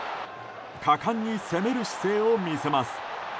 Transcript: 果敢に攻める姿勢を見せます。